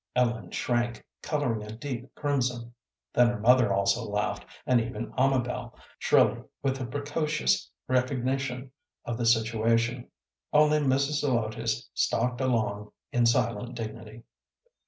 Ellen shrank, coloring a deep crimson. Then her mother also laughed, and even Amabel, shrilly, with precocious recognition of the situation. Only Mrs. Zelotes stalked along in silent dignity.